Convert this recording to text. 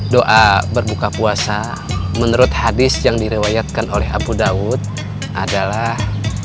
doa berbuka puasa menurut hadis yang direwayatkan oleh abu daud adalah